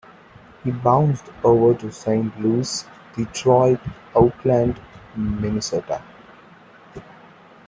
He bounced over to Saint Louis, Detroit, Oakland, Minnesota.